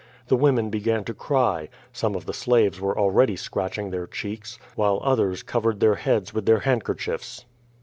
The women began to cry; some of the slaves were already scratching their cheeks, while others covered their heads with their handkerchiefs.